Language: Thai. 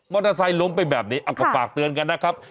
เตอร์ไซค์ล้มไปแบบนี้เอาก็ฝากเตือนกันนะครับ